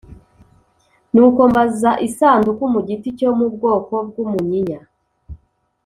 Nuko mbaza isanduku mu giti cyo mu bwoko bw’umunyinya,